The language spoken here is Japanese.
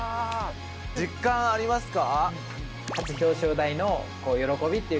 実感ありますか？